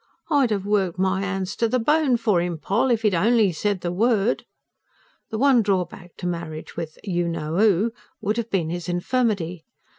"I'd have worked my hands to the bone for 'im, Poll, if 'e'd ONLY said the word." The one drawback to marriage with "you know 'oo" would have been his infirmity.